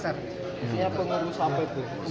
siapa pengurus apa itu